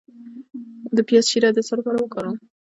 د پیاز شیره د څه لپاره وکاروم؟